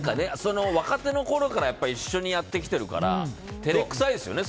若手のころから一緒にやってきてるから照れくさいですよね